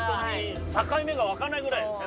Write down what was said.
境目が分かんないぐらいですよね。